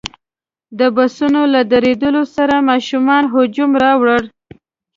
د بسونو له درېدلو سره ماشومانو هجوم راوړ.